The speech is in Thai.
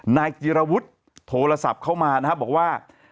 นายจิรวจโทรศัพท์เข้ามาบอกว่า